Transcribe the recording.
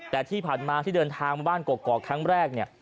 แต่ที่ผ่านมาที่เดินทางมาบ้านกอกครั้งแรกเนี่ย